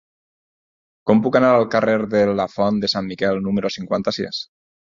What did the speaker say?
Com puc anar al carrer de la Font de Sant Miquel número cinquanta-sis?